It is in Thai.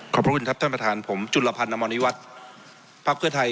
ขอบคุณครับท่านประธานผมจุลภัณฑ์อมณวิวัตรภาพเครือไทย